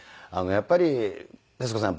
やっぱり徹子さん